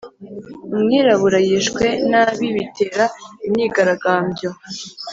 Umwirabura yishwe nabi bitera imyigaragambyo